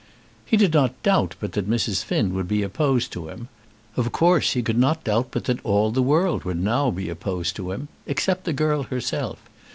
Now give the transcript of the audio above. He did not doubt but that Mrs. Finn would be opposed to him. Of course he could not doubt but that all the world would now be opposed to him, except the girl herself.